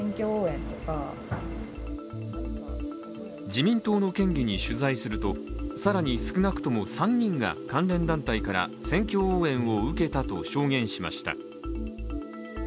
自民党の県議に取材すると更に少なくとも３人が関連団体から選挙応援を受けたと証言しました。